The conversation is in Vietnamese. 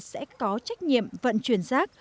sẽ có trách nhiệm vận chuyển rác